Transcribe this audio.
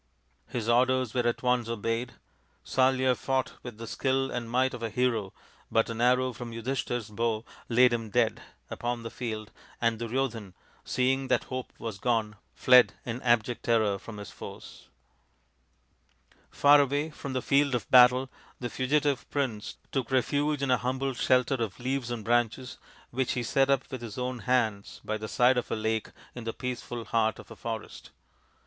His orders were at once obeyed. Salya fought with the skill and might of a hero, but an arrow from Yudhishthir's bow laid him dead upon the field, and Duryodhan, seeing that hope was gone, fled in abject terror from his foes. Far away from the field of battle the fugitive prince took refuge in a humble shelter of leaves and branches which he set up with his own hands by the side of a lake in the peaceful heart of a forest.